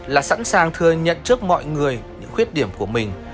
là sẵn sàng thừa nhận trước mọi người những khuyết điểm của mình